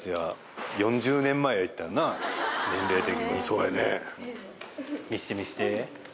そうやね。